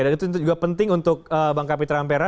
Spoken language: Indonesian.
dan itu juga penting untuk bang kapitan ampera